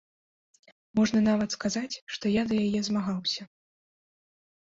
Можна нават сказаць, што я за яе змагаўся.